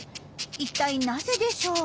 一体なぜでしょう？